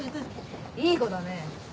いい子だね。